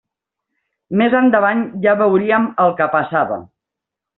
Més endavant ja veuríem el que passava.